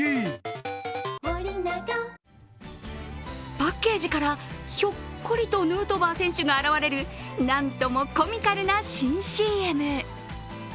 パッケージから、ひょっこりとヌートバー選手が現れるなんともコミカルな新ＣＭ。